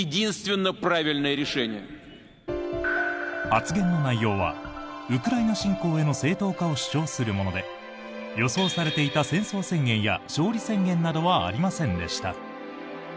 発言の内容はウクライナ侵攻への正当化を主張するもので予想されていた戦争宣言や勝利宣言などはありませんでした。